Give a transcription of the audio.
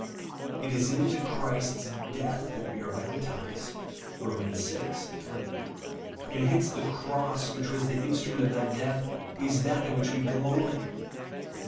It is into Christ's death that we are baptized (Rom. vi. 3), and hence tiie cross, which was the instrument of that death, is that in which we " glory," (Gal.